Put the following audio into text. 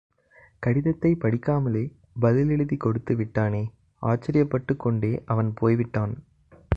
கடிதத்தைப் படிக்காமலே பதில் எழுதிக் கொடுத்து விட்டானே! ஆச்சரியப்பட்டுக் கொண்டே அவன் போய்விட்டான்.